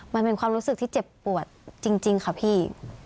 มันเป็นความรู้สึกที่เจ็บปวดจริงค่ะพี่